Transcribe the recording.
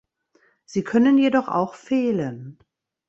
Sie können jedoch auch fehlen.